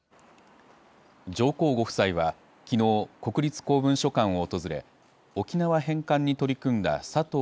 上皇ご夫妻は、きのう、国立公文書館を訪れ、沖縄返還に取り組んだ佐藤